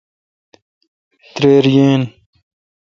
تریر یین۔